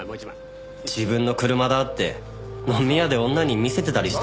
「自分の車だ」って飲み屋で女に見せてたりしたんでしょうね。